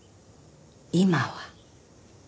「今は」。